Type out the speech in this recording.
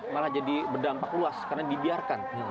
malah jadi berdampak luas karena dibiarkan